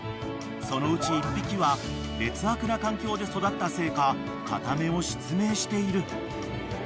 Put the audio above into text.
［そのうち１匹は劣悪な環境で育ったせいか片目を失明している］